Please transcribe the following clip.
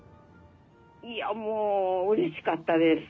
いやもううれしかったです。